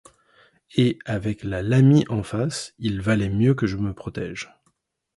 Et avec La Laly en face, il valait mieux que je me protège.